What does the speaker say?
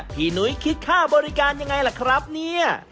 พี่หนุ๊ยคิดค่าบริการอย่างไรล่ะครับนี่